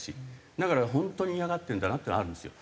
だから本当に嫌がってるんだなっていうのはあるんですよ。